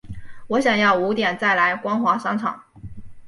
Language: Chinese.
我想要五点再来光华商场